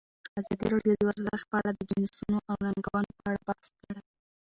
ازادي راډیو د ورزش په اړه د چانسونو او ننګونو په اړه بحث کړی.